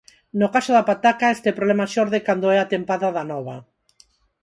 No caso da pataca, este problema xorde cando é a tempada da nova.